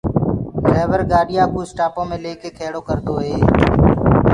ڊليور گآڏِيآ ڪو اسٽآپو مي ليڪي کيڙو ڪردوئي